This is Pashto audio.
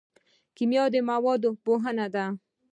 کیمیا د موادو پوهنه ده